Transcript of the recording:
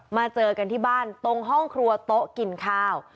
เจอกันที่บ้านตรงห้องครัวโต๊ะกินข้าว